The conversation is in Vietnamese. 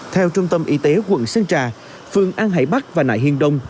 theo trung tâm y tế quận sơn trà phường an hải bắc và nại hiên đông